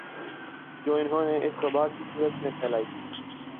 جو انھوں نے اس وبا کی صورت میں پھیلائی